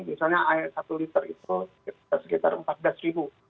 misalnya air satu liter itu sekitar empat belas ribu